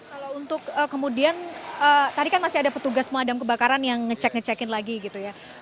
kalau untuk kemudian tadi kan masih ada petugas pemadam kebakaran yang ngecek ngecekin lagi gitu ya